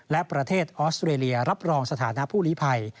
และประเทศออสเตรเลียรับรองสถานะผู้ลิภัย